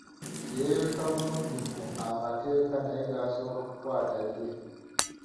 Yeeyoleka bulungi mu amateeka naye gaasooka ku kwata ye.